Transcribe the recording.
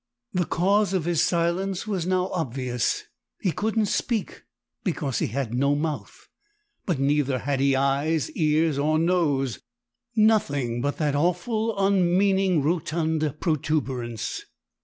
"The cause of his silence was now obvious he couldn't speak because he had no mouth; but neither had he eyes, ears, or nose; nothing but that awful, unmeaning, rotund protuberance.